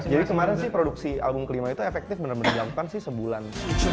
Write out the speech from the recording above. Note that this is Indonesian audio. jadi kemarin sih produksi album kelima itu efektif bener bener dilakukan sih sebulan